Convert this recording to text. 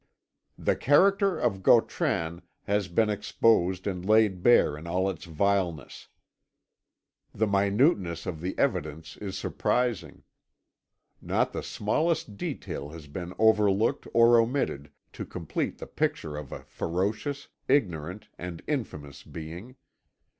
"The character of Gautran has been exposed and laid bare in all its vileness; the minuteness of the evidence is surprising; not the smallest detail has been overlooked or omitted to complete the picture of a ferocious, ignorant, and infamous being.